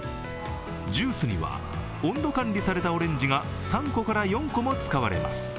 ジュースには温度管理されたオレンジが３個から４個使われます。